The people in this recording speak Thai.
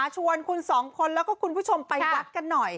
ชวนคุณสองคนแล้วก็คุณผู้ชมไปวัดกันหน่อย